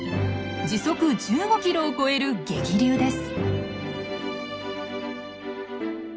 時速１５ｋｍを超える激流です。